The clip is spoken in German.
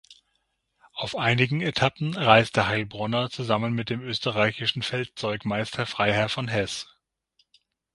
Auf einigen Etappen reiste Hailbronner zusammen mit dem österreichischen Feldzeugmeister Freiherr von Heß.